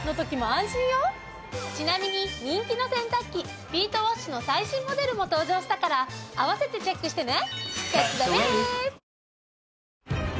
ちなみに人気の洗濯機ビートウォッシュの最新モデルも登場したから合わせてチェックしてね。